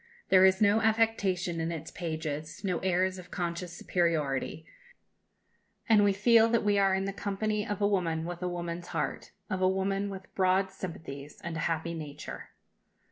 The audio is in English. There is no affectation in its pages no airs of conscious superiority; and we feel that we are in the company of a woman with a woman's heart of a woman with broad sympathies and a happy nature.